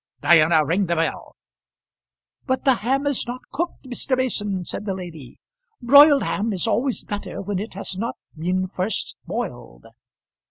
"Diana, ring the bell." "But the ham is not cooked, Mr. Mason," said the lady. "Broiled ham is always better when it has not been first boiled."